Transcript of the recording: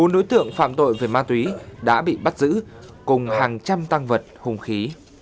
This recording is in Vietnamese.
bốn đối tượng phạm tội về ma túy đã bị bắt giữ cùng hàng trăm tăng vật hùng khí